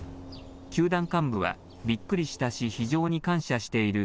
球団幹部は、びっくりしたし非常に感謝している。